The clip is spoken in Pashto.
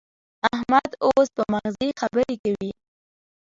احمد اوس په مغزي خبرې کوي.